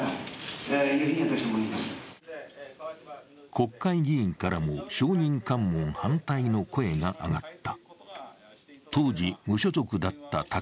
国会議員からも証人喚問反対の声が上がった。